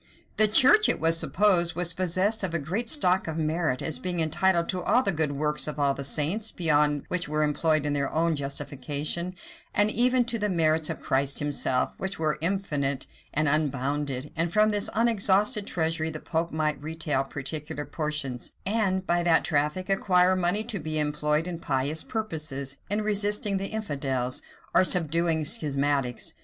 The church, it was supposed, was possessed of a great stock of merit, as being entitled to all the good works of all the saints, beyond what were employed in their own justification; and even to the merits of Christ himself, which were infinite and unbounded; and from this unexhausted treasury the pope might retail particular portions, and by that traffic acquire money to be employed in pious purposes, in resisting the infidels, or subduing schismatics.